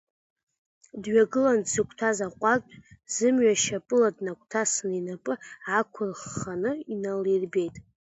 Дҩагылан, дзықәтәаз аҟәардә зымҩа шьапыла днагәҭасын, инапы ақәырхханы иналирбеит.